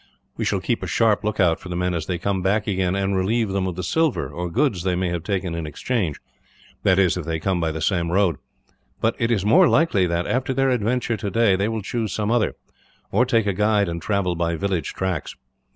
"We shall keep a sharp lookout for the men, as they come back again, and relieve them of the silver or goods they may have taken in exchange; that is, if they come by the same road but it is more likely that, after their adventure today, they will choose some other, or take a guide and travel by village tracks.